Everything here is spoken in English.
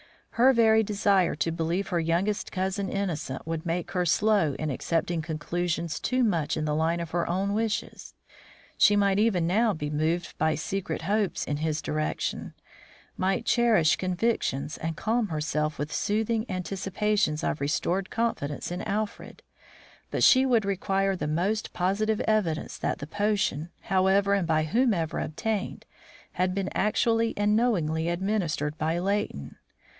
Her very desire to believe her youngest cousin innocent would make her slow in accepting conclusions too much in the line of her own wishes. She might even now be moved by secret hopes in this direction, might cherish convictions and calm herself with soothing anticipations of restored confidence in Alfred, but she would require the most positive evidence that the potion, however and by whomever obtained, had been actually and knowingly administered by Leighton.